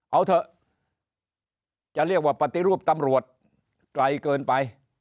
เอาเถอะจะเรียกว่าปฏิรูปตำรวจไกลเกินไป